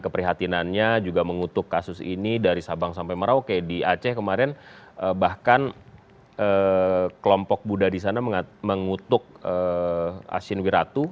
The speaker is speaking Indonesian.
keprihatinannya juga mengutuk kasus ini dari sabang sampai merauke di aceh kemarin bahkan kelompok buddha di sana mengutuk asin wiratu